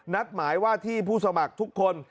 นัดหมายว่าที่ผู้สมัครทุกคน